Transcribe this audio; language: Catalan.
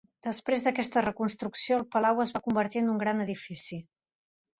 Després d'aquesta reconstrucció, el palau es va convertir en un gran edifici.